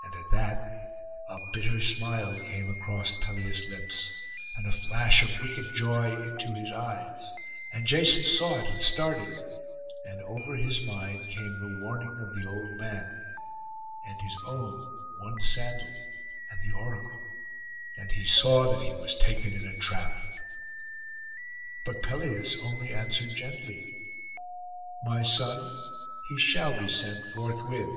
And at that a bitter smile came across Pelias' lips, and a flash of wicked joy into his eyes; and Jason saw it, and started; and over his mind came the warning of the old man, and his own one sandal, and the oracle, and he saw that he was taken in a trap. But Pelias only answered gently, 'My son, he shall be sent forthwith.